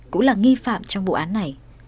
cũng là nghi phạm trong vụ án này